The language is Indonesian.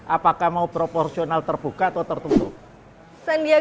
apakah kita bisa mencari pemilu yang terbuka atau yang terbuka jadi kita harus mencari pemilu yang terbuka